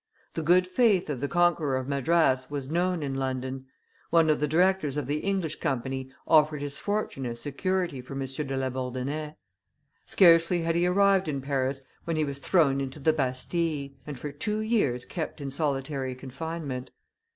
The good faith of the conqueror of Madras was known in London; one of the directors of the English Company offered his fortune as security for M. de La Bourdonnais. Scarcely had he arrived in Paris when he was thrown into the Bastille, and for two years kept in solitary confinement.